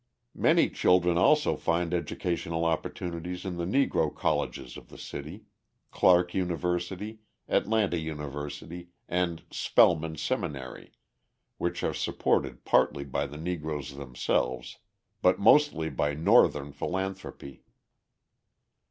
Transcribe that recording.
Many children also find educational opportunities in the Negro colleges of the city Clark University, Atlanta University and Spellman Seminary, which are supported partly by the Negroes themselves but mostly by Northern philanthropy.